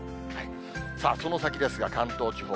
さあ、その先ですが、関東地方。